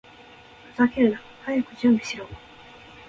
ふざけるな！早く準備しろ！